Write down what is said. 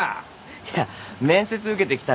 いや面接受けてきたんですよ。